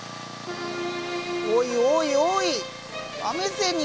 おいおいおい！